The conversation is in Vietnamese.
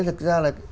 thực ra là